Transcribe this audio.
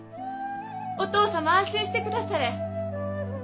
お父様安心してくだされ。